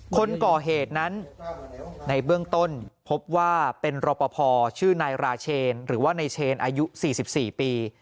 คนก่อเหตุนั้นในเบื้องต้นพบว่าเป็นรอปภชื่อนายราเชนหรือว่านายเชนอายุ๔๔ปี